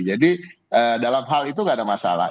jadi dalam hal itu nggak ada masalah